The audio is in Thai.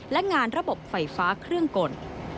และงานระบบไฟฟ้าเครื่องกล